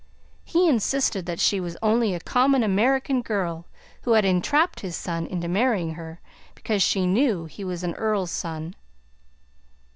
He insisted that she was only a common American girl, who had entrapped his son into marrying her because she knew he was an earl's son.